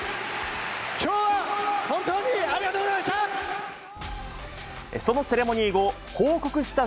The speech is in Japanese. きょうは本当にありがとうございました。